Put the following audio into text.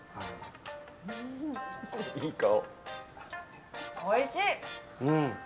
いい顔。